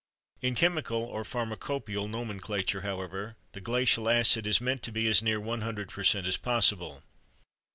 In chemical or pharmacopœial nomenclature, however, the glacial acid is meant to be as near 100% as possible.